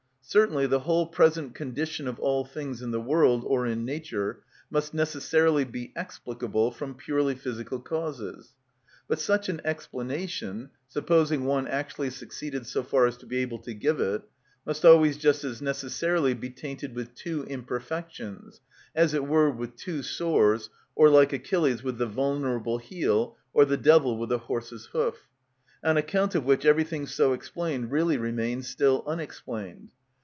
Certainly the whole present condition of all things in the world, or in nature, must necessarily be explicable from purely physical causes. But such an explanation—supposing one actually succeeded so far as to be able to give it—must always just as necessarily be tainted with two imperfections (as it were with two sores, or like Achilles with the vulnerable heel, or the devil with the horse's hoof), on account of which everything so explained really remains still unexplained.